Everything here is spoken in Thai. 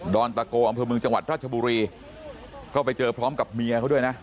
อนตะโกอำเภอเมืองจังหวัดราชบุรีก็ไปเจอพร้อมกับเมียเขาด้วยนะ